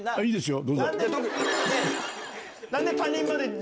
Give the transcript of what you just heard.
何で。